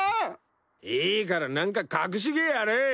いいから何か隠し芸やれ。